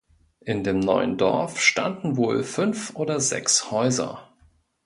In dem neuen Dorf standen wohl fünf oder sechs Häuser.